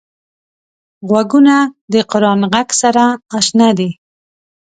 غوږونه د قران غږ سره اشنا دي